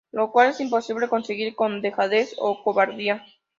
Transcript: Lo cual es imposible conseguir con dejadez o cobardía.